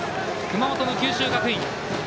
熊本の九州学院。